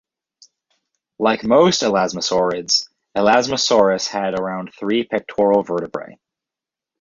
Like most elasmosaurids, "Elasmosaurus" had around three pectoral vertebrae.